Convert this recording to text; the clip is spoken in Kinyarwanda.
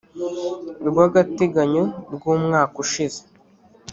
rw agateganyo rw umwaka ushize